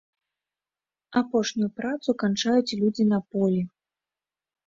Апошнюю працу канчаюць людзі на полі.